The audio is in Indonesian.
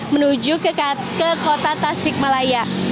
menuju ke kota tasik malaya